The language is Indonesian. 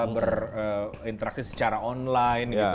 berinteraksi secara online